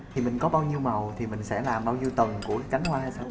thì mình có bao nhiêu màu thì mình sẽ làm bao nhiêu tầng của cái cánh hoa hay sao